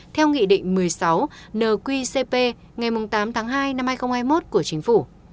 theo nghị định một mươi sáu nqcp ngày tám tháng hai năm hai nghìn hai mươi một của chính phủ